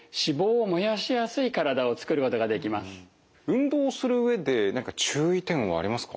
運動をする上で何か注意点はありますか？